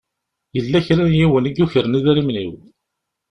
Yella kra n yiwen i yukren idrimen-iw.